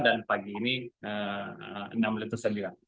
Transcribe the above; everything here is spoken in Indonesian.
dan pagi ini enam letusan lirik